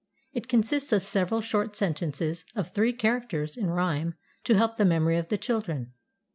It consists of several short sentences of three characters in rhyme to help the memory of the children.